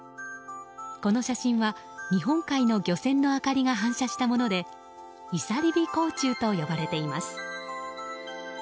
この写真は、日本海の漁船の明かりが反射したものでいさり火光柱と呼ばれています。